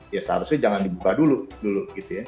ya seharusnya jangan dibuka dulu